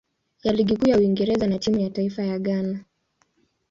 ya Ligi Kuu ya Uingereza na timu ya taifa ya Ghana.